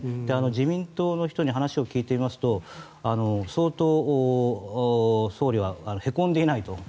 自民党の人に話を聞いてみますと相当、総理はへこんでいないと。